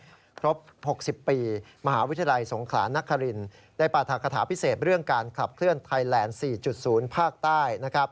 ครบ๖๐ปีมหาวิทยาลัยสงขลานครินได้ปราธคาถาพิเศษเรื่องการขับเคลื่อนไทยแลนด์๔๐ภาคใต้